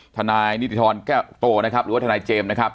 ทนายนิติธรแก้วโตนะครับหรือว่าทนายเจมส์นะครับ